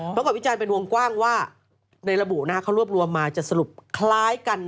กับวิจารณ์เป็นวงกว้างว่าในระบุนะฮะเขารวบรวมมาจะสรุปคล้ายกัน